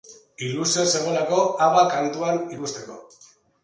Ilusioz zegoelako Ava kantuan ikusteko.